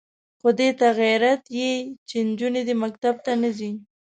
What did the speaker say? خو دې ته غیرتي یې چې نجونې دې مکتب ته نه ځي.